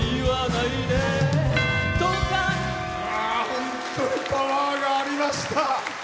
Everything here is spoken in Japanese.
本当にパワーがありました。